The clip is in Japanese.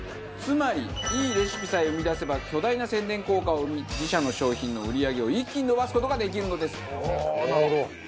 つまりいいレシピさえ生み出せば巨大な宣伝効果を生み自社の商品の売り上げを一気に伸ばす事ができるのです。